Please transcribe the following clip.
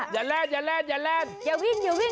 อย่าแร้น